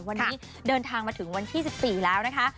วันนี้เดินทางมาถึงวันที่๑๔แล้วนะคะ